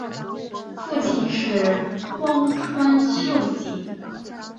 父亲是荒川秀景。